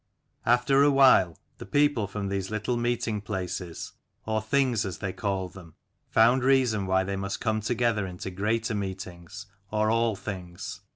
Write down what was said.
After a while, the people from these little 36 meeting places or Things, as they called them, found reason why they must come together into greater meetings, or Althings.